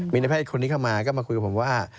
มีในแพทย์คนนี้เข้ามาก็มาคุยกับผมว่า